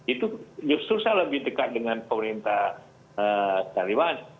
itu justru saya lebih dekat dengan pemerintah taliban